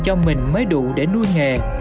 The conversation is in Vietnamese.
cho mình mới đủ để nuôi nghề